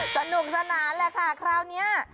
สนุกสนานแหละค่ะคราวนี้